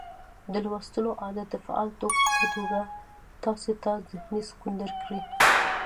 د لوستلو عادت د فعال توکي په توګه تاسي ته ذهني سکون درکړي